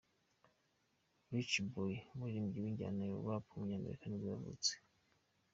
Rich Boy, umuririmbyi w’injyana ya Rap w’umunyamerika nibwo yavutse.